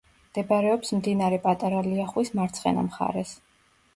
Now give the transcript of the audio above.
მდებარეობს მდინარე პატარა ლიახვის მარცხენა მხარეს.